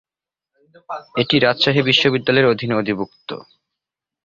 এটি রাজশাহী বিশ্ববিদ্যালয়ের অধীনে অধিভুক্ত।